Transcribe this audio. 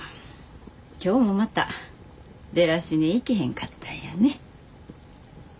今日もまたデラシネ行けへんかったんやね。